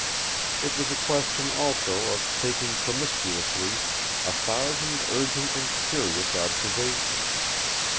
It was a question, also, of taking promiscuously a thousand urgent and curious observations.